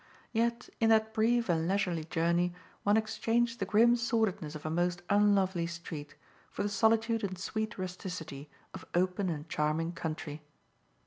Yet, in that brief and leisurely journey, one exchanged the grim sordidness of a most unlovely street for the solitude and sweet rusticity of open and charming country.